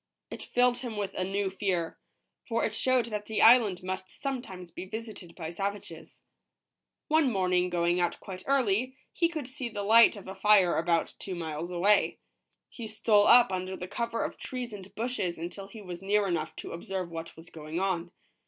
It filled him with a new fear, for it showed that the island must sometimes be visited by savages. One morning, going out quite early, he could see the light 142 ROBINSON CR US O E. of a fire about two miles away. He stole up under the cover of trees and bushes until he was near enough to observe wh.it was going on.